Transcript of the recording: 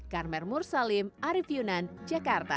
karmel mursalim arief yunan jakarta